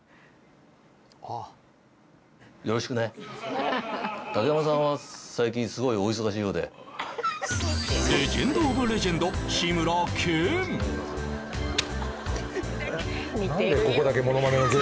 よろしくね竹山さんは最近すごいお忙しいようでレジェンドオブレジェンド志村けん似てるよね